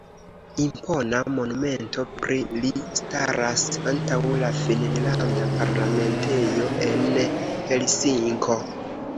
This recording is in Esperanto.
Impona monumento pri li staras antaŭ la finnlanda parlamentejo en Helsinko.